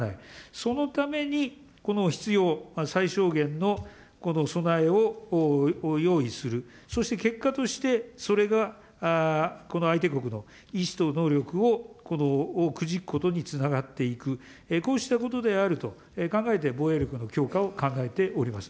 そのために、この必要最小限の備えを用意する、そして結果として、それが相手国の意思と能力をくじくことにつながっていく、こうしたことであると考えて、防衛力の強化を考えております。